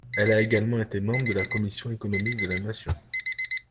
Elle a également été membre de la Commission économique de la nation.